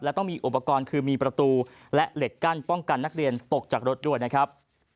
และต้องมีอุปกรณ์คือมีประตูและเหล็กกั้นป้องกันนักเรียนตกจากรถด้วยนะครับ